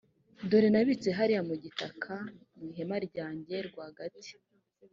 dore nabibitse hariya mu gitaka mu ihema ryanjye rwagati.